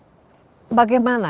dan juga bagaimana